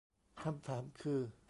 คำถามคือ